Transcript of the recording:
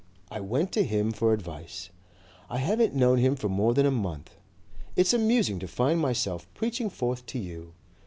I went to him for advice. I haven't known him for more than a month. It's amusing to find myself preaching forth to you.